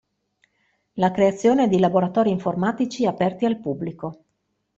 La creazione di laboratori informatici aperti al pubblico.